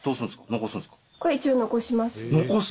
残す？